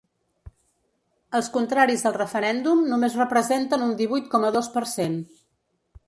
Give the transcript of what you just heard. Els contraris al referèndum només representen un divuit coma dos per cent.